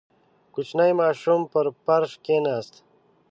• کوچنی ماشوم پر فرش کښېناست.